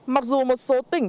mặc dù một số tỉnh